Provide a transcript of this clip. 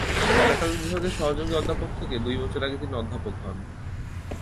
Anatomy বিভাগের সহযোগী অধ্যাপক থেকে দুই বছর আগে তিনি অধ্যাপক হন।